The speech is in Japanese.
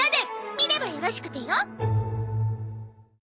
見ればよろしくてよ